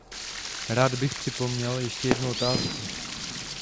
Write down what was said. Rád bych připomněl ještě jednu otázku.